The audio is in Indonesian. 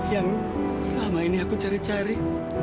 yang selama ini aku cari cari